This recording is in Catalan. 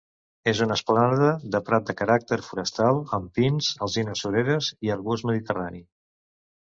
És una esplanada de prat de caràcter forestal, amb pins, alzines sureres i arbust mediterrani.